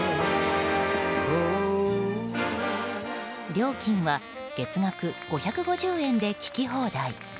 料金は月額５５０円で聴き放題。